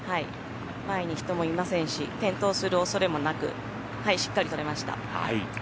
前に人もいませんし転倒するおそれもなくしっかりとれました。